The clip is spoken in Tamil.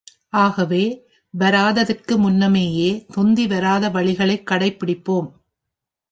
ஆகவே, வராததற்கு முன்னமேயே தொந்தி வராத வழிகளைக் கடைப்பிடிப்போம்.